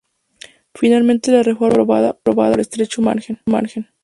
Finalmente la reforma no fue aprobada por estrecho margen.